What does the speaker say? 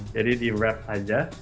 jadi diwrap aja